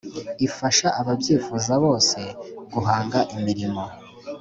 ifasha ababyifuza bose guhanga imirimo